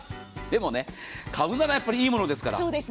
でも、買うならやっぱりいいものですから。